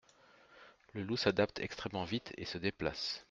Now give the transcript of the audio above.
Le loup s’adapte extrêmement vite et se déplace.